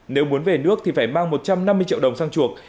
nếu muốn về nước thì phải mang một trăm năm mươi triệu đồng sang chuộc